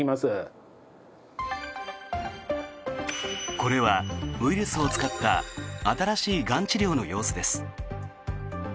これはウイルスを使った新しいがん治療の様子です。